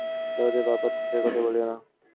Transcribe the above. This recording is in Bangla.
জগতের পাপ-অত্যাচারের কথা বলিও না।